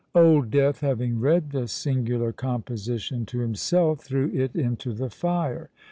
Old Death having read this singular composition to himself, threw it into the fire.